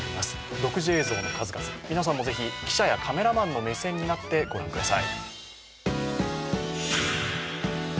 独自映像の数々、皆さんもぜひ記者やカメラマンの目線になってご覧ください。